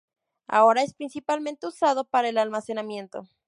Ahora es principalmente usado para el almacenamiento.